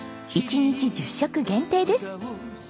１日１０食限定です。